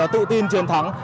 tự tin chiến thắng